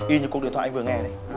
y như cuộc điện thoại anh vừa nghe này